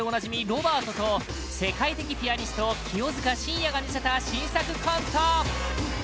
ロバートと世界的ピアニスト清塚信也が見せた新作コント